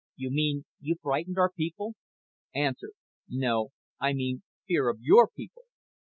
YOU MEAN YOU FRIGHTENED OUR PEOPLE A. NO I MEAN FEAR OF YOUR PEOPLE Q.